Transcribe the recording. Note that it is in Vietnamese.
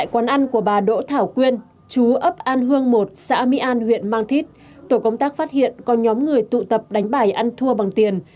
quán ăn của bà đỗ thảo quyên chú ấp an hương một xã mỹ an huyện mang thít tổ công tác phát hiện có nhóm người tụ tập đánh bài ăn thua bằng tiền